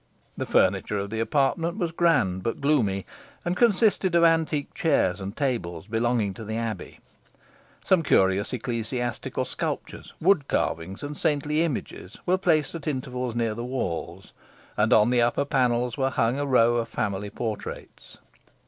The furniture of the apartment was grand but gloomy, and consisted of antique chairs and tables belonging to the Abbey. Some curious ecclesiastical sculptures, wood carvings, and saintly images, were placed at intervals near the walls, and on the upper panels were hung a row of family portraits.